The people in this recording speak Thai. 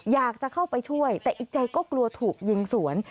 อยากจะเข้าไปช่วยแต่อีกใจก็กลัวถูกยิงสวน